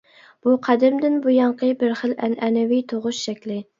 بۇ قەدىمدىن بۇيانقى بىر خىل ئەنئەنىۋى تۇغۇش شەكلى.